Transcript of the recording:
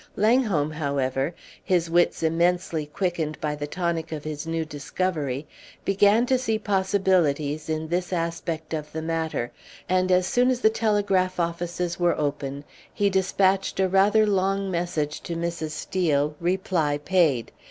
Langholm, however, his wits immensely quickened by the tonic of his new discovery, began to see possibilities in this aspect of the matter, and, as soon as the telegraph offices were open, he despatched a rather long message to Mrs. Steel, reply paid.